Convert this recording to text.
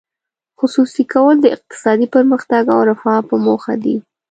خصوصي کول د اقتصادي پرمختګ او رفاه په موخه دي.